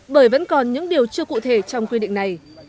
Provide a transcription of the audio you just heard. bởi vẫn còn những điều chưa cụ thể trong quy định này